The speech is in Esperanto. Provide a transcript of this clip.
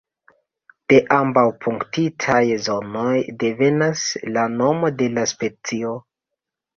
De ambaŭ punktitaj zonoj devenas la nomo de la specio.